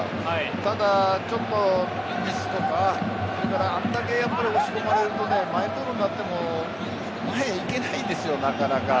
ただ、ちょっとミスとかそれからあれだけ押し込まれるとマイボールになっても前へ行けないですよ、なかなか。